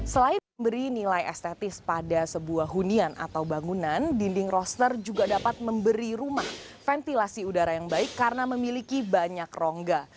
selain memberi nilai estetis pada sebuah hunian atau bangunan dinding roster juga dapat memberi rumah ventilasi udara yang baik karena memiliki banyak rongga